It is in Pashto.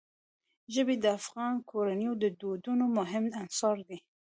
ژبې د افغان کورنیو د دودونو مهم عنصر دی.